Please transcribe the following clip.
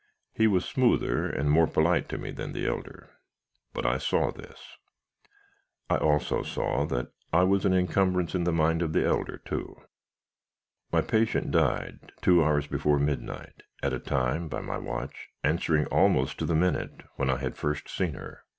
He was smoother and more polite to me than the elder; but I saw this. I also saw that I was an incumbrance in the mind of the elder, too. "My patient died, two hours before midnight at a time, by my watch, answering almost to the minute when I had first seen her.